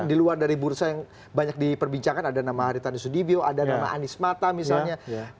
di luar dari bursa yang banyak diperbincangkan ada nama haritanu sudibyo ada nama anies mata misalnya